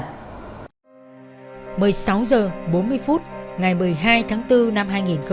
một mươi sáu h bốn mươi phút ngày một mươi hai tháng bốn năm hai nghìn một mươi chín